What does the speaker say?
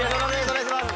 お願いします